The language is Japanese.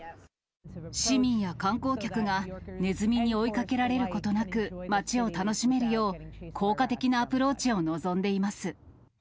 市民や観光客がネズミに追いかけられることなく、街を楽しめるよう、効果的なアプローチを望んでいます。